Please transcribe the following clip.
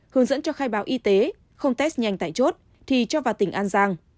hướng dẫn cho khai báo y tế không test nhanh tại chốt thì cho vào tỉnh an giang